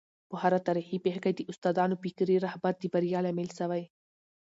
په هره تاریخي پېښه کي د استادانو فکري رهبري د بریا لامل سوی.